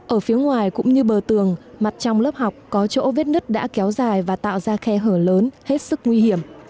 ở phía ngoài cũng như bờ tường mặt trong lớp học có chỗ vết nứt đã kéo dài và tạo ra khe hở lớn hết sức nguy hiểm